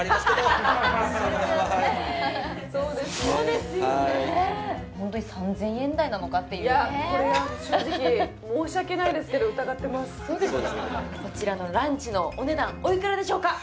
はいホントに３０００円台なのかっていうこれはこちらのランチのお値段おいくらでしょうか？